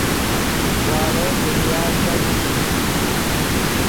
واڑو دنیا کیګ